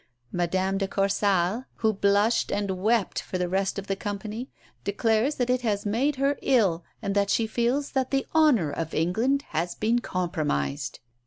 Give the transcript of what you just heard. Madame de Corsal, who blushed and wept for the rest of the company, declares that it has made her ill, and that she feels that the honour of England has been compromised."